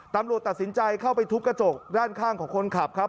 ตำรวจตัดสินใจเข้าไปทุบกระจกด้านข้างของคนขับครับ